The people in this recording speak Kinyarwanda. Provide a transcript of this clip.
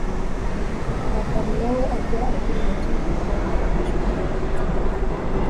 natalie na we ajya agira umutimanama umucira urubanza